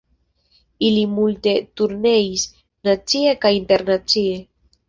Ili multe turneis, nacie kaj internacie.